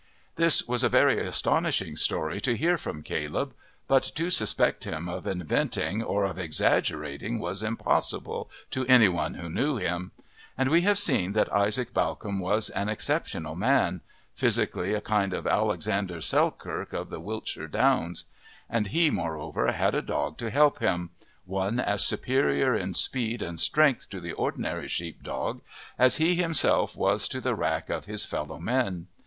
This was a very astonishing story to hear from Caleb, but to suspect him of inventing or of exaggerating was impossible to anyone who knew him. And we have seen that Isaac Bawcombe was an exceptional man physically a kind of Alexander Selkirk of the Wiltshire Downs. And he, moreover, had a dog to help him one as superior in speed and strength to the ordinary sheep dog as he himself was to the rack of his fellow men.